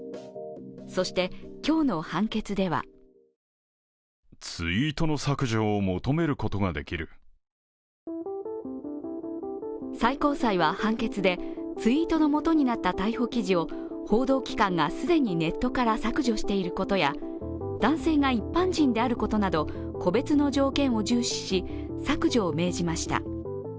そして、今日の判決では最高裁は判決で、ツイートのもとになった逮捕記事を報道機関が既にネットから削除していることや男性が一般人であることなど、個別の条件を重視し、削除を命じました。